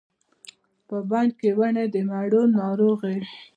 په بڼ کې ونې د مڼو، ناروغې